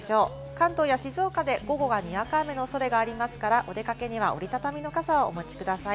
関東や静岡で午後はにわか雨の恐れがありますから、お出かけには、折り畳みの傘をお持ちください。